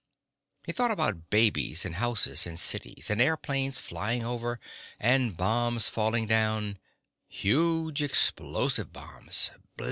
He thought about babies in houses in cities, and airplanes flying over, and bombs falling down: huge explosive bombs.